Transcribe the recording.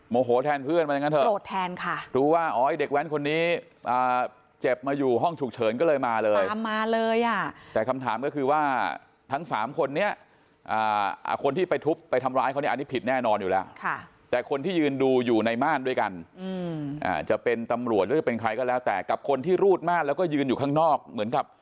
แทนเพื่อนมาอย่างนั้นเถอะโกรธแทนค่ะรู้ว่าอ๋อไอ้เด็กแว้นคนนี้เจ็บมาอยู่ห้องฉุกเฉินก็เลยมาเลยทำมาเลยอ่ะแต่คำถามก็คือว่าทั้งสามคนนี้คนที่ไปทุบไปทำร้ายเขาเนี่ยอันนี้ผิดแน่นอนอยู่แล้วค่ะแต่คนที่ยืนดูอยู่ในม่านด้วยกันจะเป็นตำรวจหรือจะเป็นใครก็แล้วแต่กับคนที่รูดม่านแล้วก็ยืนอยู่ข้างนอกเหมือนกับ